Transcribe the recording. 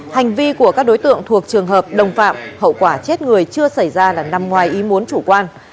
hành vi của các đối tượng thuộc trường hợp đồng phạm hậu quả chết người chưa xảy ra là nằm ngoài ý muốn chủ quan